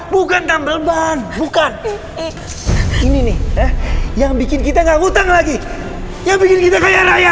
bukan tambel ban bukan ini nih yang bikin kita gak utang lagi yang bikin kita kaya raya